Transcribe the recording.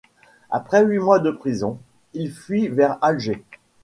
Après huit mois de prison, il fuit vers Alger.